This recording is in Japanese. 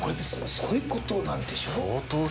すごいことなんでしょ？